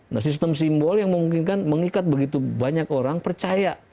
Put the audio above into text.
nah sistem simbol yang memungkinkan mengikat begitu banyak orang percaya